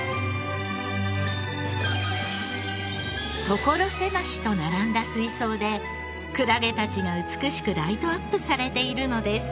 所狭しと並んだ水槽でクラゲたちが美しくライトアップされているのです。